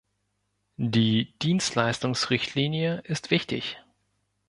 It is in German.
Die Dienstleistungsrichtlinie ist wichtig.